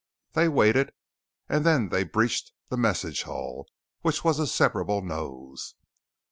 They waited, and then they breached the message hull, which was a separable nose.